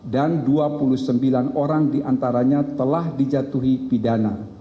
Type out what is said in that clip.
dan dua puluh sembilan orang diantaranya telah dijatuhi pidana